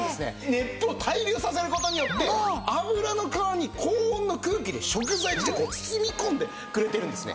熱風を対流させる事によって油の皮に高温の空気で食材自体包み込んでくれているんですね。